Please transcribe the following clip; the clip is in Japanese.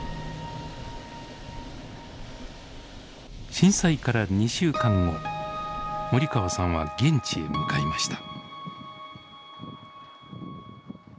震災から２週間後森川さんは現地へ向かいました。